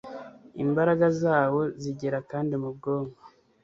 Imbaraga zawo zigera kandi mu bwonko